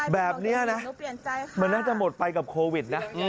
แบบนี้นะมันน่าจะหมดไปกับโควิดนะ